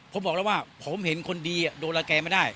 ผมบอกแล้วว่าผมเห็นคนดีโดนละแกไม่ได้